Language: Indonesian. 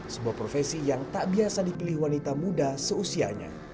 sebuah profesi yang tak biasa dipilih wanita muda seusianya